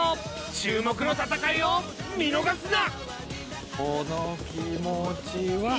注目の戦いを見逃すな！